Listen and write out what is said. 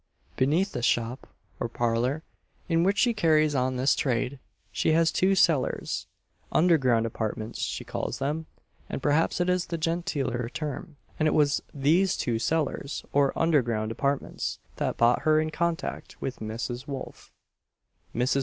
Beneath the shop, or parlour, in which she carries on this trade, she has two cellars under ground apartments she calls them, and perhaps it is the genteeler term; and it was these two cellars, or under ground apartments, that brought her in contact with Mrs. Wolf. Mrs.